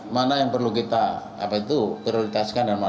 mana yang perlu kita apa itu prioritaskan dan melayu